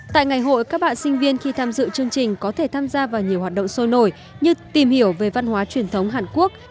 tại ngày hội các bạn sinh viên khi tham dự chương trình có thể tham gia vào nhiều hoạt động sôi nổi như tìm hiểu về văn hóa truyền thống hàn quốc